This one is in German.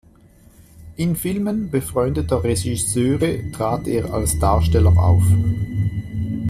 In Filmen befreundeter Regisseure trat er als Darsteller auf.